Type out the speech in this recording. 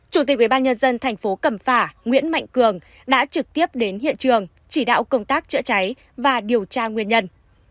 chủ tịch ubnd tp cẩm phả nguyễn mạnh cường đã trực tiếp đến hiện trường chỉ đạo công tác chữa cháy và điều tra nguyên nhân